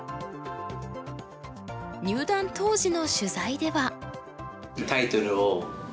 入段当時の取材では。